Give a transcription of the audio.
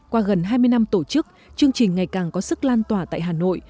qua gần hai mươi năm tổ chức chương trình ngày càng có sức lan tỏa tại hà nội